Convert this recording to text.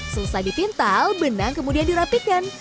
selesai dipintal benang kemudian dirapikan